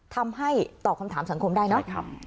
ทำให้ตอบคำถามสังคมได้เนอะ